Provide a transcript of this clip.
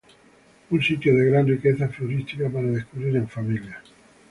Un sitio de gran riqueza florística para descubrir en familia.